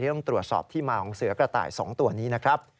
ต้องตรวจสอบที่มาของเสือกระต่าย๒ตัวนี้นะครับ